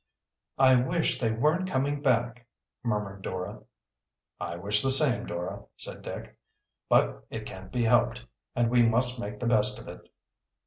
"I wish they weren't coming back," murmured Dora. "I wish the same, Dora," said Dick. "But it can't be helped and we must make the best of it."